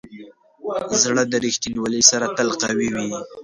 زړه د ریښتینولي سره تل قوي وي.